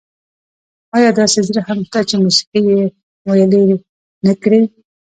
ایا داسې زړه هم شته چې موسيقي یې ویلي نه کړي؟